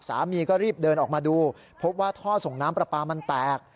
สามีก็รีบเดินออกมาดูพบว่าท่อส่งน้ำปลาปลามันแตก